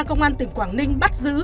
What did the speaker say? công an tỉnh quảng ninh bắt giữ